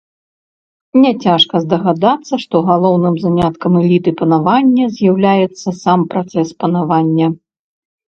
Няцяжка здагадацца, што галоўным заняткам эліты панавання з'яўляецца сам працэс панавання.